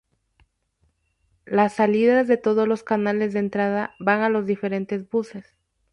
Las salidas de todos los canales de entrada van a los diferentes buses.